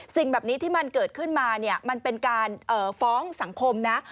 สิ่งแบบนี้ที่มันเกิดขึ้นมาเนี่ยมันเป็นการฟ้องสังคมนะ